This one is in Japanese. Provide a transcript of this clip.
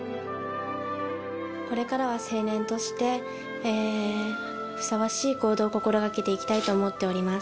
これからは成年として、ふさわしい行動を心がけていきたいと思っております。